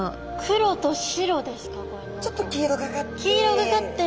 ちょっと黄色がかって。